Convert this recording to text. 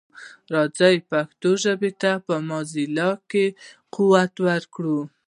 راځی پښتو ژبه په موزیلا کي قوي کړو.